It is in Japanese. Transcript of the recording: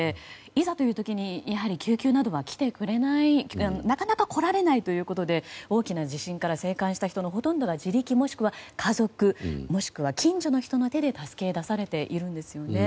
いざという時に、救急などが来てくれないなかなか来られないということで大きな地震から生還した人のほとんどが、自力もしくは家族もしくは近所の人の手で助け出されているんですよね。